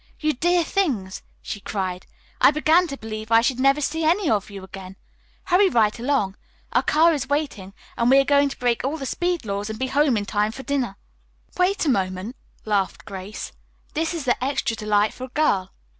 "You dear things!" she cried; "I began to believe I should never see any of you again. Hurry right along. Our car is waiting and we are going to break all the speed laws and be home in time for dinner." "Wait a moment," laughed Grace. "This is the 'extra delightful girl.'"